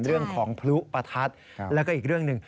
เรื่องของพลุประทัดแล้วก็อีกเรื่องหนึ่ง